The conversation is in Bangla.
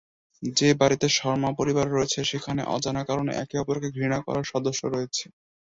যে বাড়িতে শর্মা পরিবার রয়েছে, সেখানে অজানা কারণে একে অপরকে ঘৃণা করার সদস্য রয়েছে।